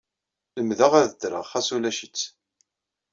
Lemdeɣ ad ddreɣ ɣas ulac-itt.